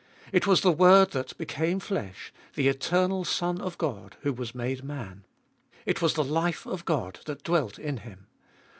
It was the Word that became flesh, the Eternal Son of God who was made man. It was the life of God that dwelt in Him.